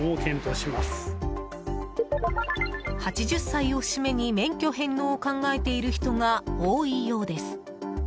８０歳を節目に免許返納を考えている人が多いようです。